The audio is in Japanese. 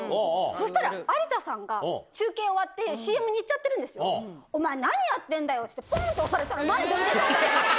そしたら、有田さんが、中継終わって、ＣＭにいっちゃってるんですよ、お前、何やってんだよって言われて、ぽーんって押されたたら、前跳んじゃって。